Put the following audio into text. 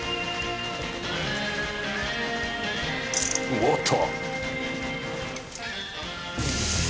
うおっと！